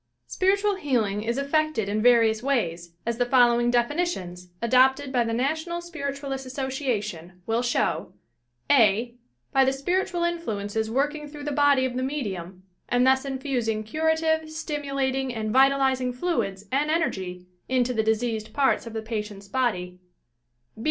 Spiritual healing is effected in various ways, as the following definitions, adopted by the National Spirit ualists' Association, will show: " (a) By the spiritual influences working through the body of the medium and thus infusing curative, stimu lating and vitalizing fluids and energy into the diseased parts of the patient's body.